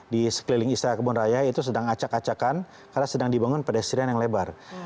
di sekeliling istana kebun raya itu sedang acak acakan karena sedang dibangun pedestrian yang lebar